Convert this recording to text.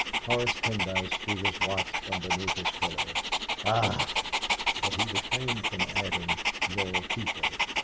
Horace Pendyce drew his watch from beneath his pillow. "Ah!" But he refrained from adding, "Your people!"